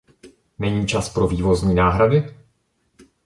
Není čas pro vývozní náhrady?